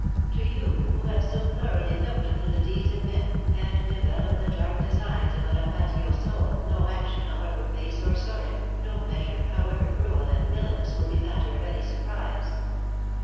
To you, who have so thoroughly looked through the deeds of men, and developed the dark designs of a "Rapatio" soul, no action, however base or sordid, no measure, however cruel and villainous, will be matter of any surprise.